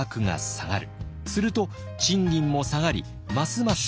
すると賃金も下がりますます